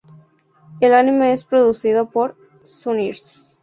El anime es producido por Sunrise.